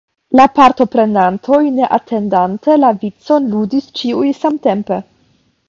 La partoprenantoj, ne atendante la vicon, ludis ĉiuj samtempe.